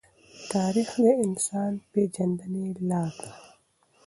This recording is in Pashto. تاریخ د انسان د پېژندنې لار دی.